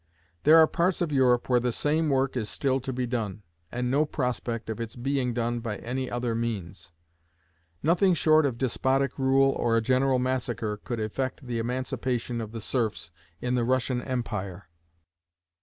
There are parts of Europe where the same work is still to be done, and no prospect of its being done by any other means. Nothing short of despotic rule or a general massacre could effect the emancipation of the serfs in the Russian Empire.